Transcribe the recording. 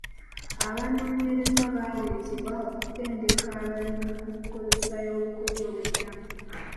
Abanoonyereza baaleetebwa okutendeka abalimi ku nkozesa y'obukodyo obupya.